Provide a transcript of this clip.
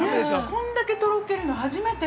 こんだけとろけるの、初めて。